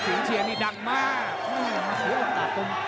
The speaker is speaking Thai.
เสียงเชียร์นี้ดังมาก